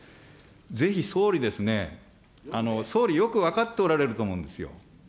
ぜひ総理ですね、総理、よく分かっておられると思うんですよ。